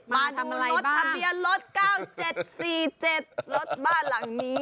มันรถทะเบียนรถ๙๗๔๗รถบ้านหลังนี้